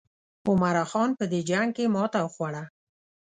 عمرا خان په دې جنګ کې ماته وخوړه.